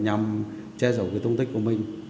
nhằm che giấu thông tích của mình